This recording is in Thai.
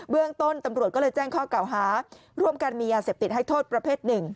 เรื่องต้นตำรวจก็เลยแจ้งข้อเก่าหาร่วมกันมียาเสพติดให้โทษประเภทหนึ่ง